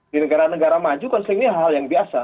di negara negara maju konsepnya hal hal yang biasa